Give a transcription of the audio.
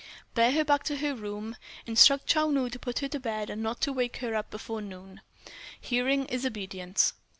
"Bear her back to her room. Instruct Chou Nu to put her to bed and not to wake her up before noon." "Hearing is obedience."